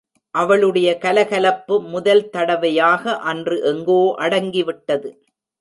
அவளுடைய கலகலப்பு முதல் தடவையாக அன்று எங்கோ அடங்கிவிட்டது.